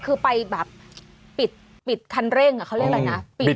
คือไปแบบปิดคันเร่งเขาเรียกอะไรนะ